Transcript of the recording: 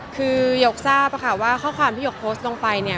คือหยกทราบค่ะว่าข้อความที่หยกโพสต์ลงไปเนี่ย